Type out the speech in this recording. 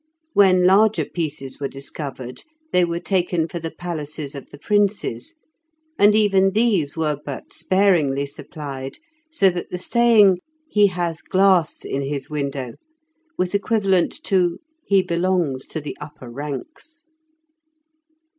When larger pieces were discovered, they were taken for the palaces of the princes, and even these were but sparingly supplied, so that the saying "he has glass in his window" was equivalent to "he belongs to the upper ranks".